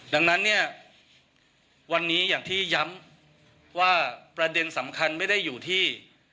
ดังนั้นเนี่ยวันนี้อย่างที่ย้ำว่าประเด็นสำคัญไม่ได้อยู่ที่